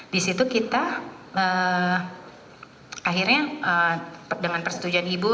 disitu kita akhirnya dengan persetujuan ibu